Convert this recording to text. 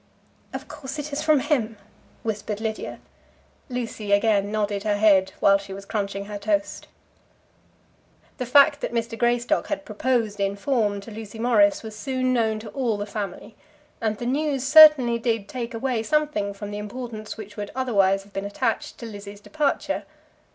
"Of course it is from him?" whispered Lydia. Lucy again nodded her head while she was crunching her toast. The fact that Mr. Greystock had proposed in form to Lucy Morris was soon known to all the family, and the news certainly did take away something from the importance which would otherwise have been attached to Lizzie's departure.